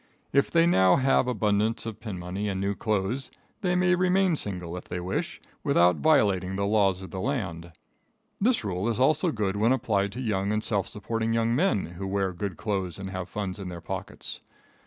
If they now have abundance of pin money and new clothes, they may remain single if they wish without violating the laws of the land. This rule is also good when applied to young and self supporting young men who wear good clothes and have funds in their pockets.